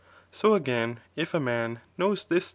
So again, if a man knows thij'.